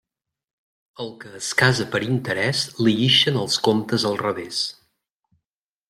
Al que es casa per interés, li ixen els comptes al revés.